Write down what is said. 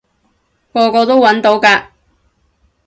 個個都搵到㗎